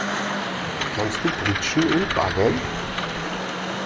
Kannst du pritschen und baggern?